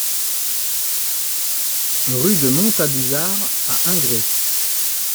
Rue de Montabuzard à Ingré